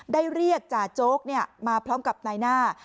ได้เรียกจ่าโจ๊กมาพร้อมกับนายหน้า